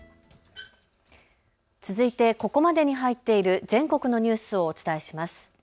続いてここまでに入っている全国のニュースをお伝えします。